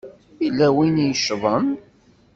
Yella win i yeccḍen.